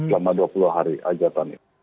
selama dua puluh hari aja tadi